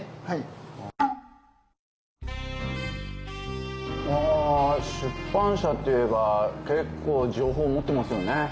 はいあ出版社っていえば結構情報持ってますよね？